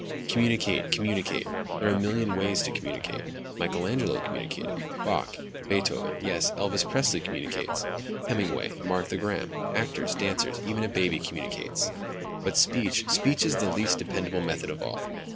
"Communicate. Communicate. There are a million ways to communicate. Michelangelo communicated, Bach, Beethoven, yes, Elvis Presley communicates. Hemingway, Martha Graham, actors, dancers, even a baby communicates!" "But speech ..." "Speech is the least dependable method of all.